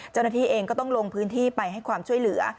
เจ้าหน้าที่เองก็ต้องลงพื้นที่ไปให้ความช่วยเหลือ